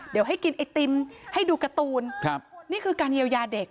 เดี๋ยวให้กินไอติมให้ดูการ์ตูนครับนี่คือการเยียวยาเด็ก